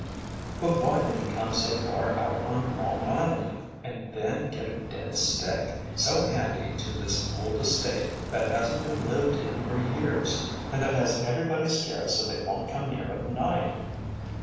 "But why did he come so far out on Long Island, and then get a dead stick so handy to this old estate that hasn't been lived in for years and that has everybody scared so they won't come near at night?"